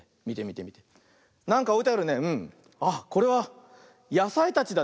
あっこれはやさいたちだね。